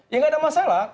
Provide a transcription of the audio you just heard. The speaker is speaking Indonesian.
ya nggak ada masalah